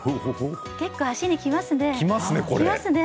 結構、足にきますね。